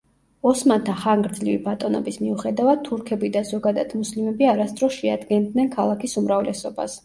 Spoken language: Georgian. ოსმანთა ხანგრძლივი ბატონობის მიუხედავად, თურქები და ზოგადად მუსლიმები არასდროს შეადგენდნენ ქალაქის უმრავლესობას.